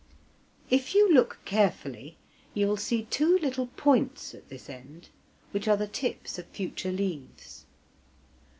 If you look carefully, you will see two little points at this end, which are the tips of future leaves.